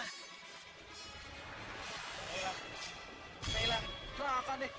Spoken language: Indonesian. nela kelahkan deh